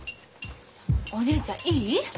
お姉ちゃんいい？